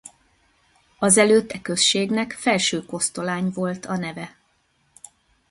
Azelőtt e községnek Felső-Kosztolány volt a neve.